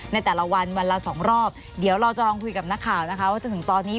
ในแต่ละวันวันละสองรอบเดี๋ยวเราจะลองคุยกับนักข่าวนะคะว่าจนถึงตอนนี้